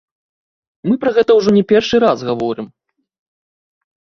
Мы пра гэта ўжо не першы раз гаворым.